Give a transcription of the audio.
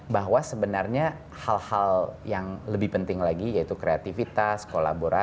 bahwa sebenarnya hal hal yang lebih penting lagi yaitu kreativitas kolaborasi